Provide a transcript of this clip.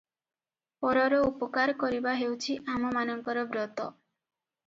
ପରର ଉପକାର କରିବା ହେଉଛି ଆମମାନଙ୍କର ବ୍ରତ ।